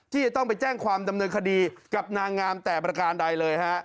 ที่จะต้องไปแจ้งความดำเนินคดีกับนางงามแต่ประการใดเลยฮะ